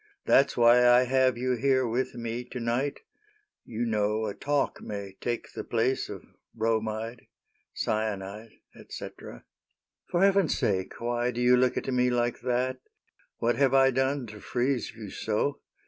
'' That 's why I have you here with mc To night : you know a talk may take The place of bromide, cyanide, Et cetera. For heaven's sake, '' Why do you look at me like that ? What have I done to freeze you so